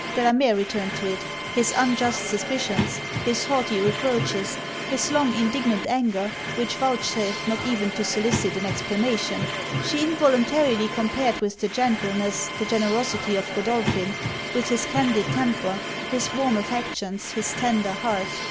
Delamere returned to it: his unjust suspicions; his haughty reproaches; his long, indignant anger, which vouchsafed not even to solicit an explanation; she involuntarily compared with the gentleness, the generosity of Godolphin; with his candid temper, his warm affections, his tender heart.